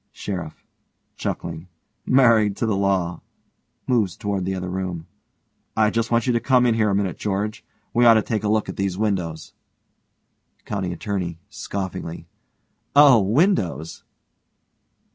SHERIFF: Married to the law. (moves toward the other room) I just want you to come in here a minute, George. We ought to take a look at these windows. COUNTY ATTORNEY: (scoffingly) Oh, windows!